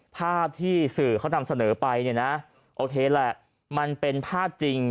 ภาพที่สื่อเขานำเสนอไปเนี่ยนะโอเคแหละมันเป็นภาพจริง